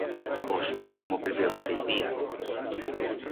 Osma cómo pleveba aquel día!